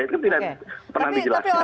itu tidak pernah dijelaskan